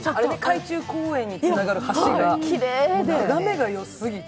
海中公園につながる橋が、眺めがよすぎて。